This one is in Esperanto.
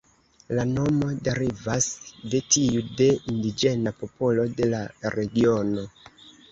La nomo derivas de tiu de indiĝena popolo de la regiono.